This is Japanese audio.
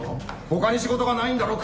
他に仕事がないんだろ？